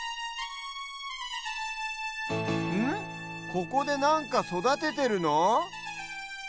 ここでなんかそだててるの？